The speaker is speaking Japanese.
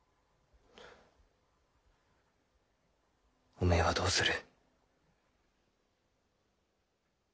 おめえはどうする？